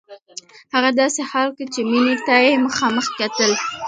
هغه داسې حال کې چې مينې ته يې مخامخ کتل.